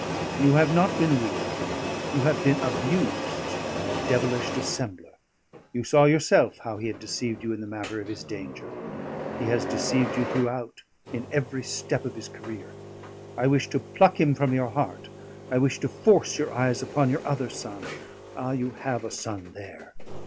"You have not been weak; you have been abused by a devilish dissembler. You saw yourself how he had deceived you in the matter of his danger; he has deceived you throughout in every step of his career. I wish to pluck him from your heart; I wish to force your eyes upon your other son; ah, you have a son there!"